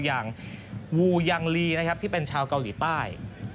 อย่างวูยังลีนะครับที่เป็นชาวเกาหลีใต้